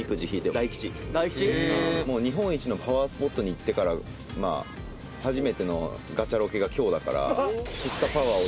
「日本一のパワースポットに行ってから初めてのガチャロケが今日だから」